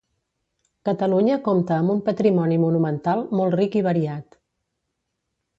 Catalunya compta amb un patrimoni monumental molt ric i variat.